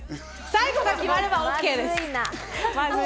最後が決まればＯＫです。